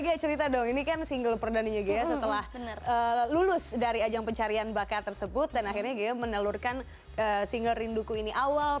ghea cerita dong ini kan single perdana ghea setelah lulus dari ajang pencarian bakar tersebut dan akhirnya ghea menelurkan single rinduku ini awal